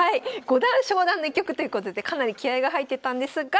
五段昇段の一局ということでかなり気合いが入ってたんですが。